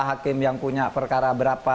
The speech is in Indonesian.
hakim yang punya perkara berapa